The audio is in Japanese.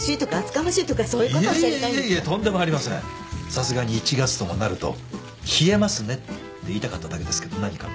さすがに１月ともなると冷えますねって言いたかっただけですけど何か？